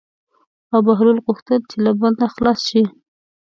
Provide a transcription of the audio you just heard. او بهلول غوښتل چې له بنده خلاص شي.